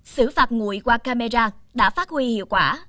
xử phạt ngụy qua camera đã phát huy hiệu quả